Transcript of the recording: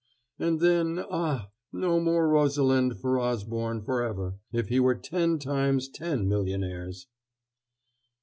And then, ah! no more Rosalind for Osborne forever, if he were ten times ten millionaires....